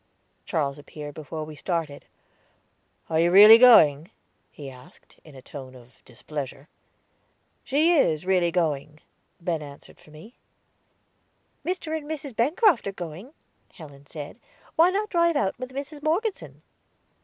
Charles appeared before we started. "Are you really going?" he asked, in a tone of displeasure. "She is really going," Ben answered for me. "Mr. and Mrs. Bancroft are going," Helen said. "Why not drive out with Mrs. Morgeson?"